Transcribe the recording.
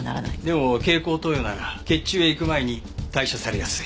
でも経口投与なら血中へ行く前に代謝されやすい。